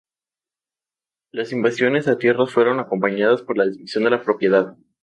Las invasiones a tierras fueron acompañadas por la destrucción de la propiedad.